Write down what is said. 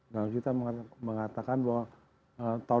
dan kita mengatakan bahwa tahun dua ribu empat puluh dua